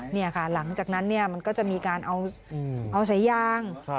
นี่ค่ะหลังจากนั้นมันก็จะมีการเอาสายยาง